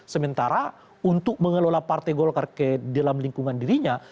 sementara untuk mengelola partai golkar ke dalam lingkungan dirinya